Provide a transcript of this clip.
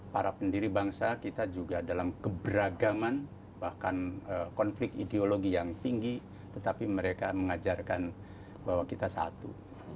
para pendiri bangsa kita juga dalam keberagaman bahkan konflik ideologi yang tinggi tetapi mereka mengajarkan bahwa kita satu